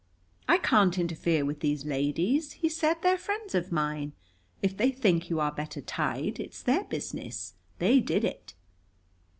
"I can't interfere with these ladies," he said. "They're friends of mine. If they think you are better tied, it's their business. They did it."